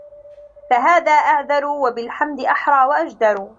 فَهَذَا أَعْذَرُ وَبِالْحَمْدِ أَحْرَى وَأَجْدَرُ